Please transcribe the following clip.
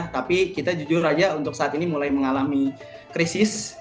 tapi kita jujur saja untuk saat ini mulai mengalami krisis